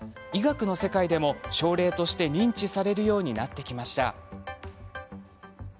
医学の世界でも症例として認知されるようになってきました。